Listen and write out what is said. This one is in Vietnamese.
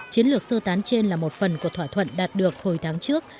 chiến lược sơ tán trên là một phần của thỏa thuận đạt được hồi tháng trước